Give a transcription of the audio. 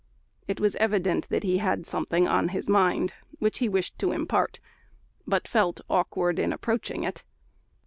It was evident that he had something on his mind which he wished to impart, but felt awkward in approaching it.